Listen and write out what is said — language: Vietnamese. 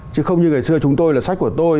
chứ không như ngày xưa chúng tôi là sách của tôi